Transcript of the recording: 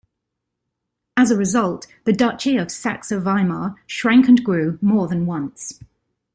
As a result, the Duchy of Saxe-Weimar shrank and grew more than once.